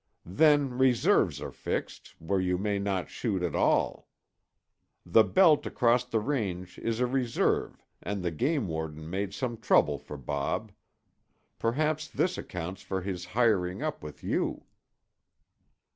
Then reserves are fixed where you may not shoot at all. The belt across the range is a reserve and the game warden made some trouble for Bob. Perhaps this accounts for his hiring up with you."